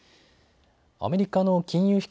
アメリカの金融